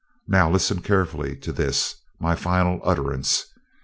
Now listen carefully to this, my final utterance.